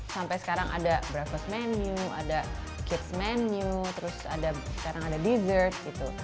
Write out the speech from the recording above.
sampai sekarang ada bravos menu ada kids menu terus ada sekarang ada dessert gitu